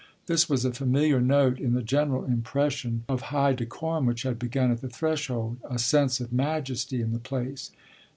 This was a familiar note in the general impression of high decorum which had begun at the threshold a sense of majesty in the place.